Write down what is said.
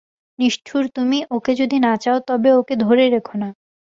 নিষ্ঠুর তুমি, ওকে যদি না চাও তবে ওকে ধরে রেখো না।